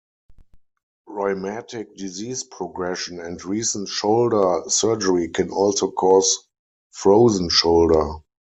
Rheumatic disease progression and recent shoulder surgery can also cause frozen shoulder.